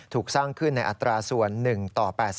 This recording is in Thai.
ถูกสร้างขึ้นในอัตราส่วน๑ต่อ๘๐